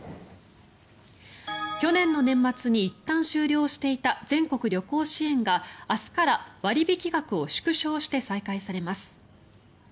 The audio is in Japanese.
去年の年末にいったん終了していた全国旅行支援が明日から割引額を縮小して再開されます。